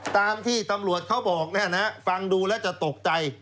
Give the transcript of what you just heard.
ตามที่ตำรวจเขาบอกฟังดูแล้วจะตกใจ